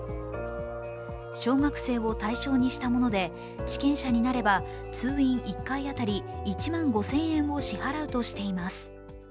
小学生を対象にしたもので治験者になれば通院１回当たり１万５０００円を支払うとしています。